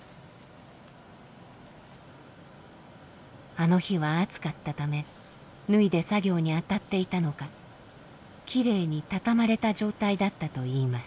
あの日は暑かったため脱いで作業に当たっていたのかきれいに畳まれた状態だったといいます。